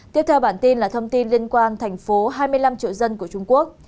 tiếp theo bản tin là thông tin liên quan thành phố hai mươi năm triệu dân của trung quốc